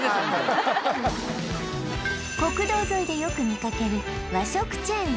国道沿いでよく見かける和食チェーン